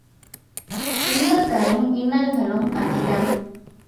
இன்று தரும் இன்னல்களும் அதிகம்.